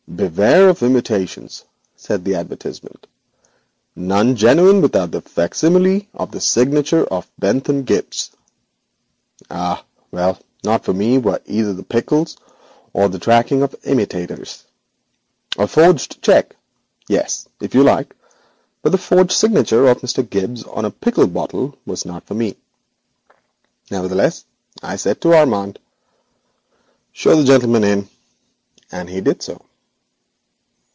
'Beware of imitations,' said the advertisement; 'none genuine without a facsimile of the signature of Bentham Gibbes.' Ah, well, not for me were either the pickles or the tracking of imitators. A forged cheque! yes, if you like, but the forged signature of Mr. Gibbes on a pickle bottle was out of my line. Nevertheless, I said to Armand: 'Show the gentleman in,' and he did so.